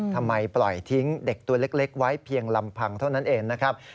ทำไมปล่อยทิ้งเด็กตัวเล็กไว้เพียงลำพังเท่านั้นเองนะครับ